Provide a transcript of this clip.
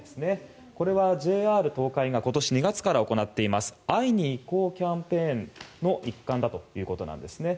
これはＪＲ東海が今年２月から行っています「会いに行こう」キャンペーンの一環だそうです。